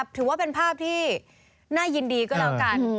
ถือว่าเป็นภาพที่น่ายินดีก็แล้วกัน